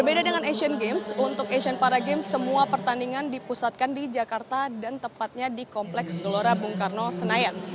berbeda dengan asian games untuk asian para games semua pertandingan dipusatkan di jakarta dan tepatnya di kompleks gelora bung karno senayan